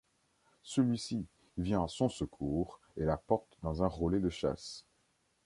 Celui-ci vient à son secours et la porte dans un relais de chasse.